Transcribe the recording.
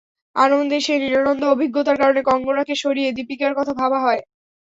আনন্দের সেই নিরানন্দ অভিজ্ঞতার কারণে কঙ্গনাকে সরিয়ে দীপিকার কথা ভাবা হয়।